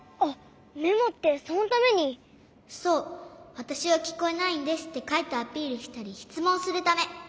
「わたしはきこえないんです」ってかいてアピールしたりしつもんするため。